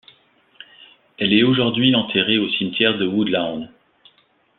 Elle est aujourd'hui enterrée au cimetière de Woodlawn.